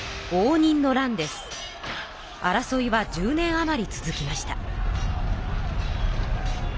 争いは１０年余り続きました。